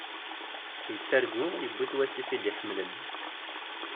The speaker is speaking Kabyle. Yettargu yuwi-t wasif i d-iḥemlen.